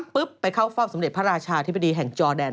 ไปเข้าเฝ้าสมเด็จพระราชาธิบดีแห่งจอแดน